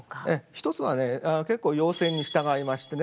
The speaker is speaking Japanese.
一つはね結構要請に従いましてね